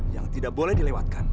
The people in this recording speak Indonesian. yang tidak boleh dilewatkan